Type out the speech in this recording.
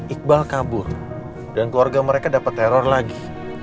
iqbal kabur dan keluarga mereka dapat teror lagi